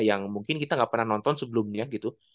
yang mungkin kita nggak pernah nonton sebelumnya gitu